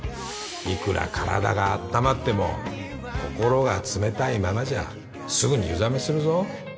いくら体があったまっても心が冷たいままじゃすぐに湯冷めするぞ